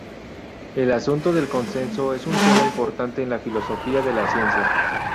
El asunto del consenso es un tema importante en la filosofía de la ciencia.